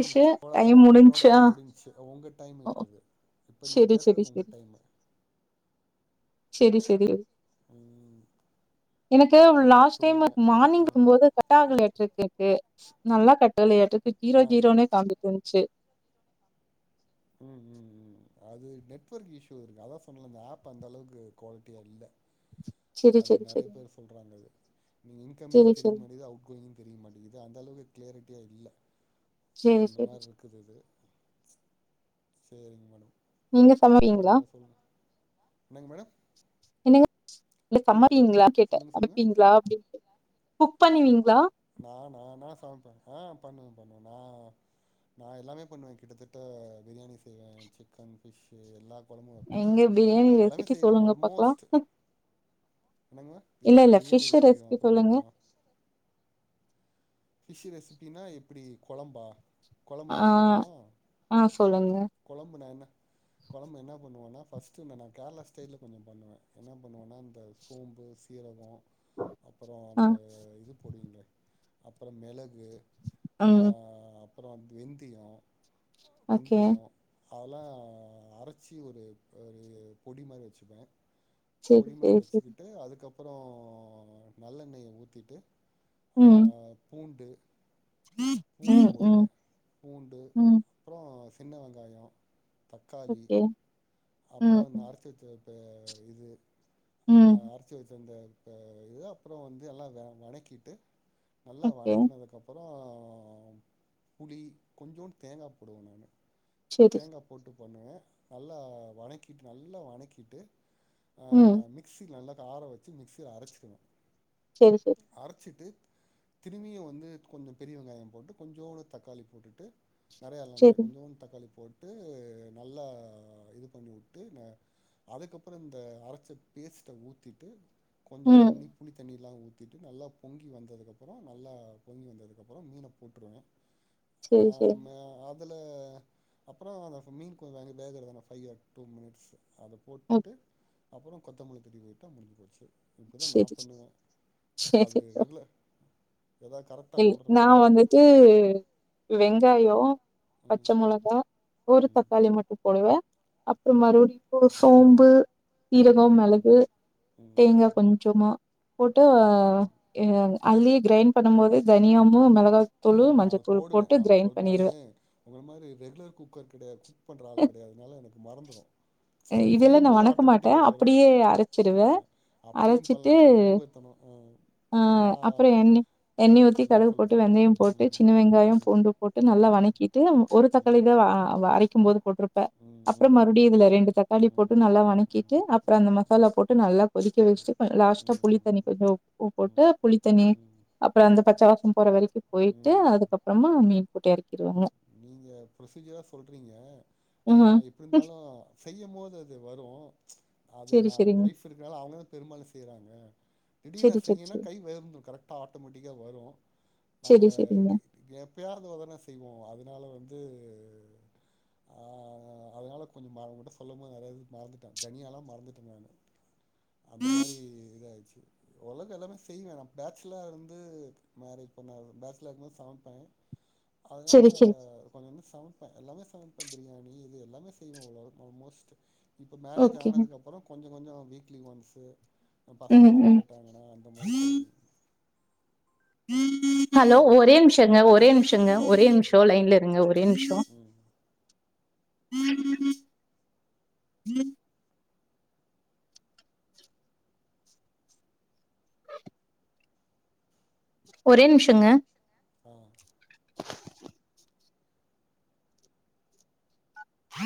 Tissue அவ்ளோதா time முடிஞ்ச்சா என்னோடது முடிஞ்சு ஒங்க டைம் ஓ இப்பது இப்ப நீங்க செரி செரி பேசுறது உங்க செரி டைமு செரி செரி ம் எனக்கு லாஸ்ட் டைம் சொல்லுங்க மார்னிங் ம் இருக்கும்போது கட்டாகல எனகிருக்கு நல்லா கட்டளையாட்டு ஜீரோ ஆ ஜீரோனே காமிகிச்சு ம் ம் ம் அது நெட்வொர்க் இஷ்ஷூ இருக்கு அதா சொன்னல இந்த ஆப் அந்த அளவுக்கு குவாலிட்டியா இல்ல செரி அது செரி நெறயா செரி பேர் சொல்றாங்கது நீங்க இன்கமிங்கு செரி தெரிய செரி மாட்டிது அவுட்கோயிங்கு தெரிய மாட்டேங்குது அந்தளவு க்ளாரிடியா இல்ல செரி அந்த செரி மாரி செரி இருக்குது இது சரிங்க மேட நீங்க சமைவீங்களா என்னங்க மேடம் என்னங்க [unintelligible] இல்ல புரியல சம்மறிபிங்களா கேட்டே சொல்லுங்க சொல்லுங்க சமப்பீங்களா அப்டின்னுட்டு புக் பண்னுவிங்களா நா நானா சாமைப்பே ஆ பண்ணுவ பண்ணுவே நா நா எல்லாமே பண்ணுவே கிட்டத்தட்ட பிரியாணி செய்வே சிக்கன் ஃபிஷ்ஷு எல்லா கொழம்பு வெப்பே எங்க பிரியாணி எல்லாமே ரெசிபி செய்வே சொல்லுங்க பாக்கலா ஆல்மோஸ்ட் என்னங்க இல்ல இல்ல பிரியாணி ஃபிஷ் ரெசிபி தா சொல்லுங்க சொல்லணுமா பிஷ் ரெசிபினா எப்டி கொழம்பா கொழம்பு நா ஆ சொல்லட்டுமா ஆ சொல்லுங்க கொழம்பு நா என்ன கொழம்பு என்ன பண்ணுவனா ஃபர்ஸ்ட்டு இந்த நா கேரளா ஸ்டைல்ல கொஞ்ச பண்ணுவே என்னா பண்ணுவேன்னா இந்த சோம்பு சீரக அப்பறோ ஆ அந்த இது போடுவிங்கல்ல அப்பறோ மெளகு ம் அப்புறம் வெந்தியம் ஓகே வெந்தயம் அதெல்லாம் அரைச்சி ஒரு ஒரு பொடி மாதிரி வச்சுப்பேன் செரி பொடிமறி செரி செரி வச்சுக்கிட்டு அதுக்கப்புறம் அப்புறம் நல்லெண்ணெயை ஊத்திட்டு ஆ ம் பூண்டு பூண்டு ம் ம் போடுவேன் பூண்டு ம் அப்புறம் சின்ன வெங்காயம் தக்காளி ஓகே. ம், அப்புறம் ம், அரச்சிவச்சத் இப்ப இது ம். ஆஹ் அரிச்சு வைச்ச வந்த இ இது அப்புறம் வந்து எல்லாம் வணக்கிட்டு நல்லா ஓகே. வணக்கனதுக்கு அப்புறம் அ புளி கொஞ்சோன்ட் தேங்காய் போடுவோன் நானு சரி. தேங்காய் போட்டு பண்ணுவேன் நல்லா வணக்கிட்டு நல்லா வணக்கிட்டு ஆ ம். மிக்ஸி நல்லா காரம் வச்சு மிக்ஸில அரைச்சிரணு சரி, சரி, அரைச்சிட்டு திரும்பியும் வந்து கொஞ்சம் பெரிய வெங்காயம் போட்டு கொஞ்சோன்டு தக்காளி போட்டுட்டு நிறைய எல்லாம் கிடையாது சரி. கொஞ்சோன்டு தக்காளி போட் ட்டு நல்லா இது பண்ணி விட்டு ந அதுக்கப்புறம் இந்த அரைச்ச பேஸ்ட ஊத்திட்டு கொஞ்சம் ம். தண்ணி புளி தண்ணி எல்லாம் ஊத்தி திட்டு நல்லா பொங்கி வந்ததுக்கு அப்புறம் நல்லா பொங்கி வந்ததுக்கு அப்புறம் மீனை போட்டுருவேன் சரி, சரி. ஆஹ் அ [unintelligible] அதுல அப்புறம் மீன்ஞ்சம் போன ஃபிஃட்டின் மினிட்ஸ் அத ஓகே. போட்டுட்டு அப்புறம் கொத்தமல்லி தழை போட்டுட்டா முடிஞ்ச போச்சு இப்டிதா நா சரி, பண்ணுவே அது ரெகுலர் ஏதாவது கரெக்டா ரி சொல்றனா நா வந்துட்டு வெங்காயோ பச்ச ம் மொளகா ஒரு ம் தக்காளி மட்டு போடுவே அப்பறம் ம் மறுபடியு கோஸ் சோம்பு ம் சீரகம் ம் மெளகு ம் தேங்கா ம் கொஞ்சமா போட்டு அ ம் ம் எ அதுலயே கிரைண்ட் பண்ணும் போது தனியாவும் மெளகா ஆ நா அது போடுவே நான் சொ நானு பண்ணிருவேன். உங்கள மாரி ரெகுலர் குக்கர் கிடையாது குக் பண்ற ஆள் கிடையாது அதனால எனக்கு மறந்துடும் அது இதெல்லாம் செய்யும் நான் போது வணக்க மாட்டேன். ஆட்டோமேட்டிக்கா வரு அப்படியே அ அரைச்சுருவேன். அப்டியு அரைச்சிட்டு பண்ணலா சேரி சோம்பேறித்தனம் ஆ ஆ நா அப்பறம் எண்ணெய் எண்ணெயி ஊத்தி ம் கடுகு போட்டு சொல்லுங்க வெந்தயம் போட்டு ம் சின்ன வெங்காயம் ம் பூண்டு போட்டு ம் நல்லா ம் வணக்கிட்டு ஒரு தக்காளி தா ஆ வ அரைக்கும் போது போட்ருப்ப ம் ம் ம் அப்பறம் ம் மறுபடி இதுல ம் ரெண்டு தக்காளி ம் ம் போட்டு நல்லா ம் வணக்கிட்டு அப்பறம் அந்த மசாலா போட்டு நல்லா கொதிக்க வச்சிட்டு லாஸ்ட் ஆ புளி ம் தண்ணி கொஞ்சம் உப்பு போட்டு புளித்தண்ணி ம் அப்பறம் ம் அந்த ம் பச்ச வாசம் போற வரைக்கு போயிட்டு ம் அதுக்கப்பறமா மீன் போட்டு எறக்கிடுவாங்க நீங்க ப்ரொசீஜரா சொல்றீங்க நா ம் எப்டி இருந்தாலு செய்யும் போது அது வரூ அது செரி நா செரிங்க ஒய்ஃப் இருக்கனால அவங்க தா பெரும்பாலு செய்யறாங்க தீடிர்னு நா செரி செரி செய்னுன்னா செரி கை வரனு கரெக்ட்டா ஆட்டோமேட்டிக்கா வரும் நம்ம செரி செரிங்க கே எப்பயாவது ஒரு தட தான செய்வோ அது இதுல வந்து ஆ அதனால கொஞ்சம் மற உங்கள்ட்ட சொல்லும் போது நெறைய இது மறந்துட்டே தனியா லா மறந்துட்டே நானு அந்த மாரி இதாயிடுச்சி ஓரளவுக்கு எல்லாமே செய்வே நா பேச்சுலர் இருந்து மேரேஜ் பண்ண பேச்சலர் இருக்கும்போது சமைப்பே அதனால செரி செரி கொஞ்சோண்டு சமைப்பே எல்லாமே சமைப்பே பிரியாணி இது எல்லாமே செய்வ ஓரளவு ஆல்மோஸ்ட் இப்ப மேரேஜ் ஓகேங்க ஆனதுக்கு அப்பறம் கொஞ்சம் கொஞ்சம் வீக் வீக்லி ஒன்ஸ் பசங்க ம் ஏதாவது கேட்டாங்கன்னா அந்த மாரி ம் செய்றது ஹலோ ஒரே ஆமா ஆ நிமிஷங்க ஒரே ஆ நிமிஷங்க ஒரே நிமிஷம் லைன்ல இருங்க ஒரே நிமிஷம் ம் உஹம் உஹம் உம் ஒரே நிமிஷங்க ஆ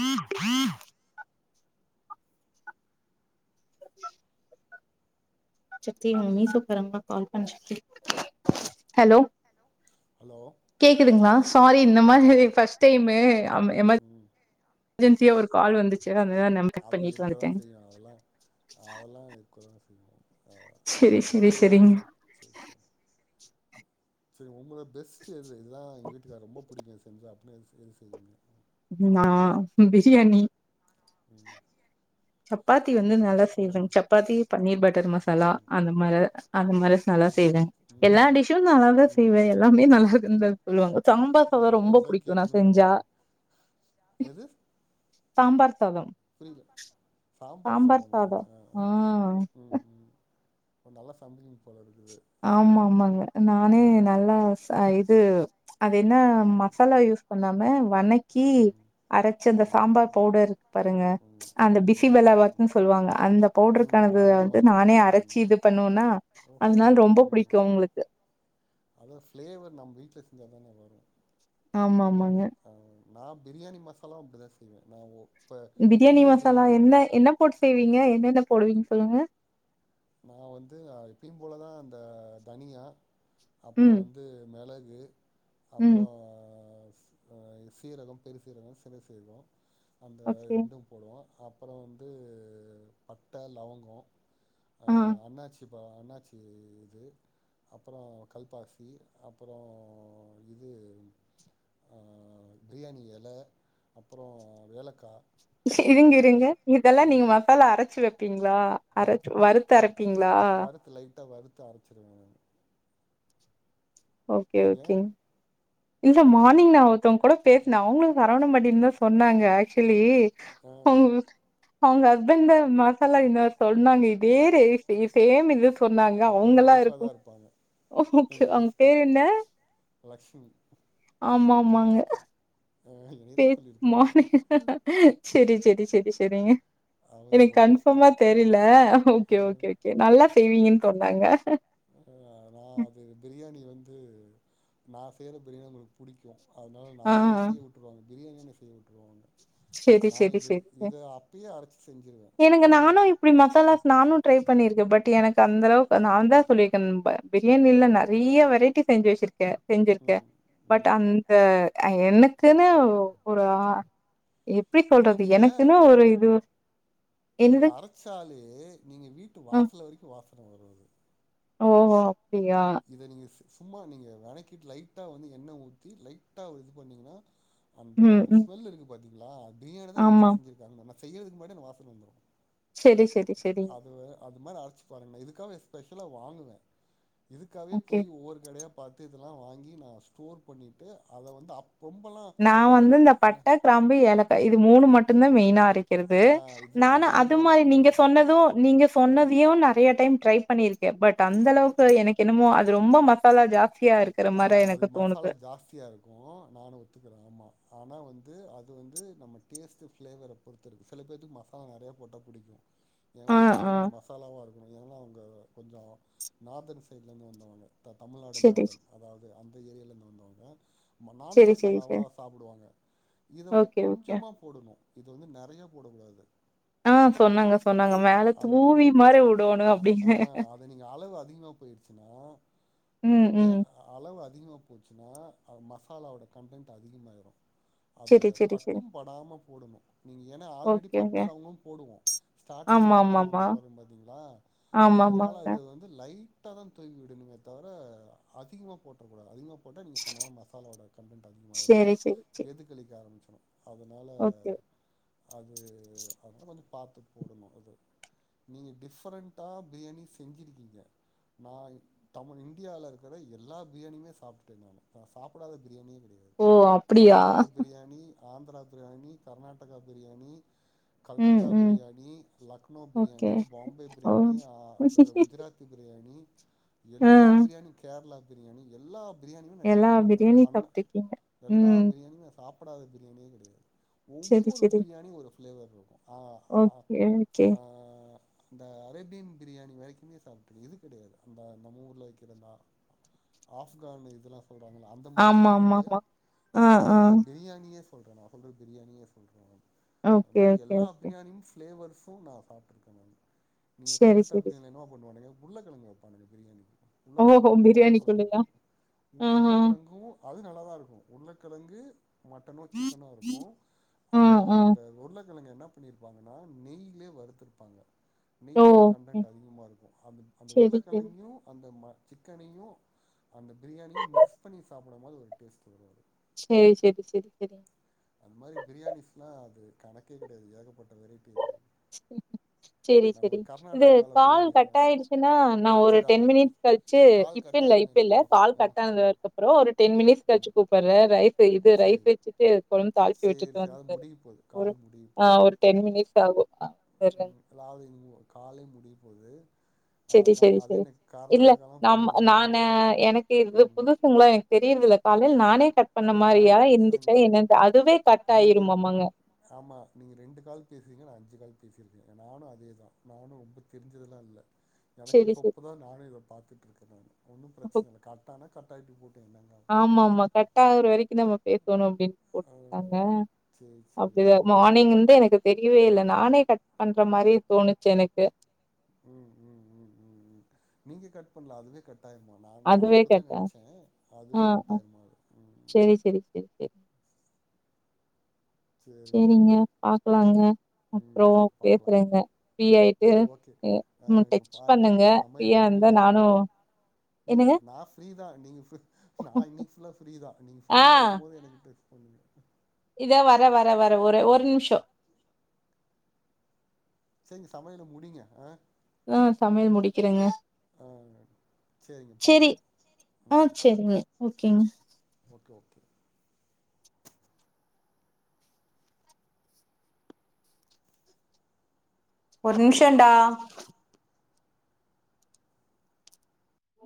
உம் உம் ஹலோ ஹலோ கேக்குதுங்களா சாரி இந்த ஆ மாதிரி கே பஸ்ட் டைமு அம எம ம் அர்ஜென்சியா ஒரு கால் வந்துச்சு அதனால நம்ம கட் அது பண்ணிட்டு இருக்கதா வந்துட்டேங்க செய்யு அதெல்லா அதெல்லா இருக்கதா செய்யு ஆ சரி சரி அதுக்காக என்ன பண்ண சரிங்க முடியு சரிங்க உங்கள பெஸ்ட்டு இது இதுல்லா எங்க வீட்டுக்கார் ரொம்ப புடிக்கு செஞ்சா அப்படனே எது செய்வீங்க ஆ பிரியாணி ம் சப்பாத்தி வந்து நல்லா எல்லாரு ஆ செய்வே சப்பாத்தி பன்னீர் பட்டர் மசாலா ம் அந்த மார அந்த மாரி நல்லா அது செய்வே ம் எல்லா டிஷ்ஷு நல்லாதா ம் ம் செய்வே ம் எல்லாமே நல்லா இருந்து சொல்லுவாங்க சாம்பா அது சாதம் அவர ரொம்ப தா புடிக்கு நா கேட்கணும்னு செஞ்சா நெனைக்கிறே எது சாம்பார் சாதம் புரியல சாம்பார் சாதமா ஆ ஆ ம் ம் ஒரு நல்லா சந்தல போலதுக் ஆமா ஆமாங்க நானே நல்லா ச இது அது என்ன ம் மசாலா யூஸ் பண்ணாம வன்னை கி அரைச்சு அந்த ம் ம் ம் சாம்பார் பவுடர் இருக்கு பாருங்க ம் அந்த பிசி ம் வெலா பாத்ன்னு சொல்லுவாங்க அந்த ம் பவுடருக்கான ம் அது வந்து மாரி நானே அரைச்சு ம் இது பண்ணுவனா ஓஹோ அதனால ரொம்ப ம் புடிக்கு உங்களுக்கு ப ந பார ஆமாமா அங்க நா பிரியாணி மசாலா அப்டிதா செய்வே நா ஒ பிரியாணி மசாலா என்ன என்னா போட்டு செய்வீங்க என்னன்ன போடுவீங் சொல்லுங்க நா வந்து எப்பயு போலதா அந்த தனியா அப்பறோ ம் வந்து மெள கு அப்பற ம் ஆ சீரகம் பெருசீரகம் சின்ன சீரக அந்த ஓகே ரெண்டும் போடுவோ அப் அப்புற வந்து பட்ட லவங்க ஆ அண்ணாச்சி ப அண்ணாச்சி இது அப்பற கல்பாசி அப்பற இது பிரியாணி எலை அப்பற ஏலக்கா இருங்க இதெல்லா இருங்க இதெல்லா ம் நீங்க மசாலா அரைச்சு வப்பீங்களா அரச் வறுத்து அரப் வறுத்து லைட்டா வறுத் து அரைச்சிடுவே ஓகே ஓகேங்க இல்ல ஏ மார்னிங் நான் ஒருத்தவங்க கூட பேசினேன் அவங்களும் சரவண பண்டின்னு தான் சொன்னாங்க ஆக்சுவலி ஆ [unintelligible] அவங்க ஹஸ்பண்ட் மசாலா என்ன சொன்னாங்க இதே ரேஞ்ச் இத சேம் இதையே சொன்னாங்க அப்ப எங்க அவுங்காலா ஒய்ஃபா தா இருக்கும் இருப்பாங்க ஓகே எங்க ஒய்ஃப் தா பேரு என்ன லக்ஷ்மி ஆமா ஆமாங்க ஆ பே என்னையதா ம சொல்லியிருக்கிறாங்க சரி சரி சரி சரி சரிங்க அவங்க எனக்கு எங்க ஒய்ஃப் தா கன்ஃபார்மா தெரியல ஓகே ஓகே நல்லா செய்வீங்கன்னு சொன்னாங்க ஆ நான் அது பிரியாணி வந்து நான் செய்கிற பிரியாணி உங்களுக்கு பிடிக்கும் அதனால ஆ நான் என்ன செய்ய விட்டுருவாங்க பிரியாணி செய்ய விட்டுருவாங்க சரி நா சரி இது சரி சரி இத அப்பயே அரைச்சு செஞ்சிருவே ஏன்னுங்க இது நானும் இப்படி மசாலா நானும் ட்ரை பண்ணியிருக்க பட் எனக்கு அந்த அளவுக்கு நான் தான் சொல்லியிருக்கேன் பிரியாணில நிறைய வெரைட்டி செஞ்சு வச்சிருக்கேன் செஞ்சிருக்கே ம் பட் ம் அந்த எனக்குன்னு ஒரு எப்டி இது சொல்றது நீங்க எனக்குன்னு இது ஒரு இது என்னது அரச்சாலே நீங்க வீட்டு வாசல் வரைக்கும் வாச ஓஹோ இத நீங்க ச சும்மா நீங்க வெளக்கிட்டு லைட்டா வந்து என்ண ஊத்தி லைட்டா இது பண்ணீங்கன்னா அந்த ம் ம் ஸ்மெல் இருக்கு பாத்தீங்க ளா பிரியாணிதா ஆமா வீட்ல செஞ்சுருக்காங்க நல்லா செய்யறதுக்கு முன்னாடியே அந்த வாசன வந்துரும் செரி செரி செரிங்க அது அ இந்த மாரி அரைச்சு பாருங்க இதுக்காக எஸ்பெஷலா வாங்குவே இதுக்காகவே ஓகே போய் ஒவ்வொரு கடையா பாத்து இதெல்லா வாங்கி நா ஸ்டோர் பண்ணிட்டு அத வந்து அப் ரொம்பலா நா வந்து இந்த பட்ட கிராம்பு ஏலக்காய் இது மூணு மட்டுந்தா மெயினா அரைக் கிறது ஆ இது நானு அது பெரும்பாலு மாரி ஆ நீங்க சொன்னது நீங்க ம் சொன்னதையு நெறையா டைம் ட்ரை பண்ணிர்க்கே பட் ம் டந்தளவுக்கு எனக்கு என்னமோ அ ரொம்ப மசாலா ஜாஸ் ஆ அது மசாலா ஜாஸ்த்தியா இருக்கு நானு ஒத்துக்குற ஆமா ஆனா வந்து அது வந்து நம்ம டேஸ்ட் ஃப்ளேவர பொறுத்திருக்கு சில பேத்துக்கு மசாலா நறையா போட்டா புடிக்கு ஏ ஆ, ஒய்ஃப்குல்லா ஆ. கொஞ்ச மசாலாவா இருக்கணு ஏன்னா அவுங்க கொஞ்சோ நார்தன் சைட்லேந்து வந்தவுங்க த தமிழ்நாடு சரி, நார்தன்ஸ் அது அந்த ஏரியாலலேந்து வந்தவுங்க நான் சரி, சரி, மசாலாவா சரி. சாப்புடுவாங்க இத வந்து ஓகே, ஓகே. கொஞ்சமா போடணு இது வந்து நறையா போடக் கூடாது ஆ சொன்னாங்க சொன்னாங்க மேல அத தூவி மாரி விடோணு ஆ அப்டின்னு அது நீங்க அளவு அதிகமா போயிருச்சுன்னா ம் ம் உப்பு அதிகமா போச்சுன்னா அது மசாலாவோட கண்டன்ட் அதிகமாயிரு அத சரி, சரி, சரி. பட்டும் படாம போடணு நீங்க ஏன்னா ஆல்ரெடி ஓகே, ஓகே. பட்டலவங்கமு போடுவோ ஸ்டார்ட்டிங்ல ஆமாமாமா. பட்டலவங்க போடுறோ பா்த்தீங்களா அதனால ஆமாமாங்க. அது வந்து லைட் ட்டாதா தூவி விடணுமே தவர அதிக்மா போட்ற கூடாது அதிகமா போட்டா நீங்க சொன்ன மா மசாலா வாட கண்டென்ட் அதிகமாயிரு சரி, சரி, சரி. எதுக்களிக்க ஆரமிச்சிரு அதனால ஓகே. அது அதனால கொஞ்ச பாத்து போடணு அது நீங்க டிஃரெண்டா பிரியாணி செஞ்சிருக்கீங்க நா தமிழ் இந்தியால இருக்க தர எல்லா பிரியாணியமே சாப்ட்டுட்டேங்க நா சாப்புடாத பிரியாணிய ஓ அப்டியா ஆந்த்ரா பிரியாணி கர்நாடகா பிரியாணி ம், கல்கத்தா ம். பிரியாணி லக்னோ ஓகே. பிரியாணி பாம்பே ஓ பிரியாணி ஆ குஜராத்தி பிரியாணி ஆ எல்லா பிரியாணி கேரளா பிரியாணி எல்லா பிரியாணியு நா எல்லா டேஸ் பண்ணிருக்க நா பிரியாணி பண்ண சாப்ட்டுருக்கீங்க. எல்லா ம் பிரியாணிமே நா சாப் ப்டாத பிரியாணியே கடையா செரி ஒவ்வொரு செரி பிரியாணியு ஒரு ஃப்ளேவர் இருக்கு ஆ அ ஓகே ஓகே ஆ அந்த அரேபியன் பிரியாணி வரைக்குமே சாப்ட்டுக்க இது கடையாது அந்த நம்மூர்ல விக்கிற அந்த ஆ ஆஃப்கான் இதுலா சொல்றாங்கல்ல அந்த மாரி ஆமா ஆமா கடையாது ஆமா ஆ அந்த ஆ மாரி பிரியாணியே சொல்ற நா சொல்ற பிரியாணியே சொல்ற அத ஓகே மாதிரி ஓகே எல்லா அ ஓகே பிரியாணியும் பிளேவர்ஸ் சூனா சாப்பிட்டுருக்கணும் நீங்க செரி கல்கத்தா செரி [unintelligible] என்ன பண்ணுவானுங்க உருளகிழங்கு வப்பாங்க பிரியாணிக்கு உள்ளதல்ல ஓஹோ உள்ள உருளக்கிழங்கு பிரியாணிக்குள்ளயா இருக்கும் ஆ ஆ உள்ளக்கிழங்கும் அது நல்லாதான் இருக்கும் உருளகிழங்கு மட்டனும் சிக்கனும் இருக்கும் ஆ அந்த ஆ அந்த உருல கிங்க என்ன பண்ணிருப்பாங்கன்னா நெய்லே வறுத்தருப்பாங்க ஓ நெய்யோட கண்டன்ட் அதிகமா இருக்கும் அந்த அந்த செரி செரி உருளைக்கிழங்கும் அந்த சிக்க பிர அந்த பிரியாணியும் மிக்ஸ் பண்ணி சாப்பிடும் போது ஒரு டேஸ்ட் வருரும்து சரி சரி சரி சரி அந்த மாதிரி பிரியாணிஸ் எல்லாம் அது கணக்கே கிடையாது ஏகப்பட்ட வெரைட்டி இருக்கு சரி நம்ம சரி இது கர்நாடகால கால் பிரியாணிஸா கட் ஆயிடுச்சுன்னா நான் ஒரு சரி டென் அவ்ளோதா மினிட்ஸ் கழிச்சு கால் இப்ப இல்ல கட்டாயிருன்னு இப்ப நெனைக்க இல்ல இன்னு கால் ஆ கட் ஆனதுக்கு அப்புறம் ஒரு டென் ம் மினிட்ஸ் ம் கழிச்சு கூப்பிடுறேன் ரைஸ் இது ரைஸ் சேரி வச்சுட்டு தி சேரி சேரி அது வட்டு முடிய போது வ கால் ஒரு டென் மிட [unintelligible] உம் [unintelligible] காலே முடியு போது சரி அதா சரி அதே சரி எனக்கு இல்ல கர்நாடகாலா ந போனீங்கன்னா நான எனக்கு இது புதுசுங்களாம் எனக்கு [unintelligible] நானே கட் பண்ண மாரியா நானும் பேசுவ இருந்துச்சா மிஸ் என்னன்னு அதுவே கட் நீங்க ஆயிருமாமாங்க ஆமா நீங்க ரெண்டு கால் பேசுறீங்க அஞ்சு கால் பேசியிருக்கேங்க நானும் அதே தான் நானும் ரொம்ப தெரிஞ்சதெலாம் இல்லை எனக்கு சேரி இப்ப சேரி இப்பதான் நானும் இத பாாரத்துுட்டு இருக்கே ஒன்னும் பிரச்சனை இல்லை [unintelligible] கயட்டி போடு ஆமா ஆமா கட்ட ஒரு வரைக்கும் நம்ம பேசணும் ம் அப்படின்னு ஆ போட்டிருக்காங்க சேரி சேரி அப்படிதான் மார்னிங்ந்து எனக்கு தெரியவே இ நானே கட் பண்ற மாதிரி தோணுச்சு எனக்கு ம் ம் ம் ம் ம் நீங்க கட் பண்ணல அதுவே கட் கட்டாயமா ந நானும் அதுவே அப்படித்தான் கேட்டே நினைச்சேன் ஆ அதுவே ஆ கட்டாயிரமா உ செரி செரி செரி செரி சரிங்க செரிங்க பாக்கலாங்க ம் அப்றோ சரி பாக்கலாம் பேசுறேங்க ஃப்ரீ ஆயிட்டு சரி அ ம் ஓகேஹங்க டெக்ஸ்ட் பாருங்கங்க பண்ணுங்க சமையல ஃப்ரீயா இருந்தா முடிங்க நானு நீங்க என்னங்க ந ஃப்ரீதான் நீங்க [unintelligible] நீங்க ஆ யா இருக்கும் போது எனக்க இதோ வர வர வர ஒ ஆ ஒரு நிமிஷம் செரிங்க சமையல முடிங்க ஆ அ சமையல் முடிக்கிறெங்க ஆ சேரிங்க பாக்லா ஆ ம் செரிங்க ஓகேங்க ஓகே ஓகே ஒரு நிமிஷொன்டா